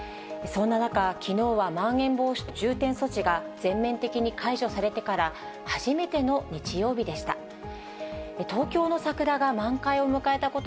そんな中、きのうはまん延防止等重点措置が全面的に解除されてから、初めての日曜日でした。